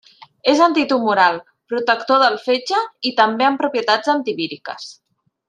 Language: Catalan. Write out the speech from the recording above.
És antitumoral, protector del fetge i també amb propietats antivíriques.